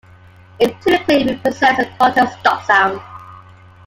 It typically represents a glottal stop sound.